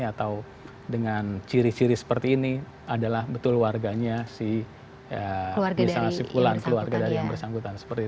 atau dengan ciri ciri seperti ini adalah betul warganya si misalnya simpulan keluarga dari yang bersangkutan